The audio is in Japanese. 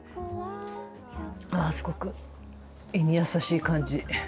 あすごく胃に優しい感じ。